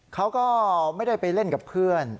เขาก็ไม่ได้ไปเล่นกับเพื่อน